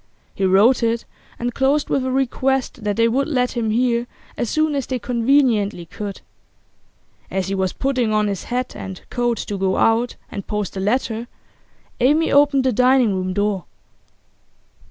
He wrote it, and closed with a request that they would let him hear as soon as they conveniently could. As he was putting on his hat and coat to go out and post the letter Amy opened the dining room door.